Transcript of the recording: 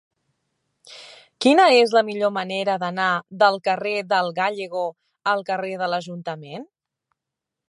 Quina és la millor manera d'anar del carrer del Gállego al carrer de l'Ajuntament?